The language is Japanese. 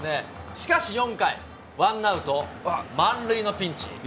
しかし４回、ワンアウト満塁のピンチ。